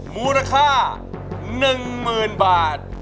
มูลค่า๑หมื่นบาท